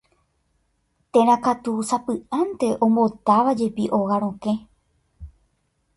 Térã katu sapy'ánte ombotávajepi óga rokẽ.